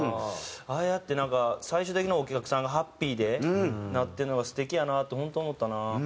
ああやってなんか最終的にお客さんがハッピーでなってるのが素敵やなと本当思ったな。